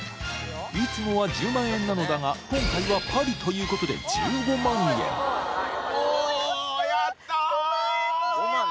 いつもは１０万円なのだが今回はパリということでおぉ！